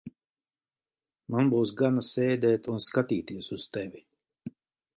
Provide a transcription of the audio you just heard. Man būs gana sēdēt un skatīties uz tevi.